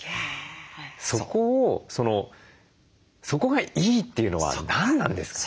そこを「そこがいい」っていうのは何なんですか？